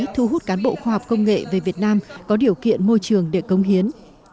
thu hút cán bộ khoa học công nghệ về việt nam có điều kiện môi trường để công hiến